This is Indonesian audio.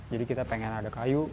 jadi kita pengen ada kayu